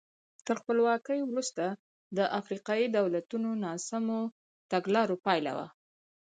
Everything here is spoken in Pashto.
تر خپلواکۍ وروسته د افریقایي دولتونو ناسمو تګلارو پایله وه.